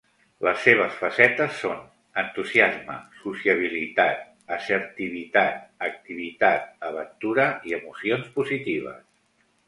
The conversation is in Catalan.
Les seves facetes són: entusiasme, sociabilitat, assertivitat, activitat, aventura i emocions positives.